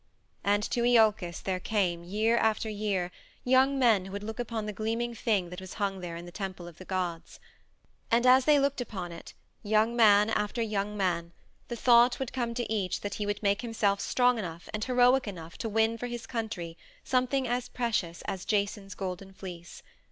And to Iolcus there came, year after year, young men who would look upon the gleaming thing that was hung there in the temple of the gods. And as they looked upon it, young man after young man, the thought would come to each that he would make himself strong enough and heroic enough to win for his country something as precious as Jason's GOLDEN FLEECE.